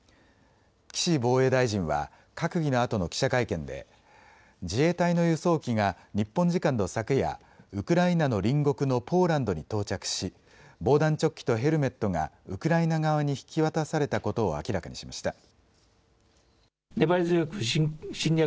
岸防衛大臣は閣議のあとの記者会見で、自衛隊の輸送機が日本時間の昨夜、ウクライナの隣国のポーランドに到着し防弾チョッキとヘルメットがウクライナ側に引き渡されたことを明らかにしました。